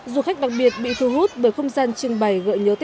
dù khách bằng biệt bị thu hút bởi không gian truyền bày gợi nhớ tết sư